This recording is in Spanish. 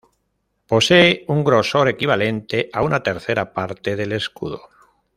Posee un grosor equivalente a una tercera parte del escudo.